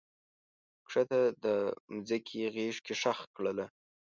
کښته د مځکې غیږ کې ښخ کړله